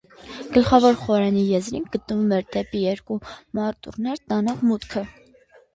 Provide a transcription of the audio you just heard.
Գլխավոր խորանի եզրերին գտնվում են դեպի երկու մատուռներ տանող մուտքեր։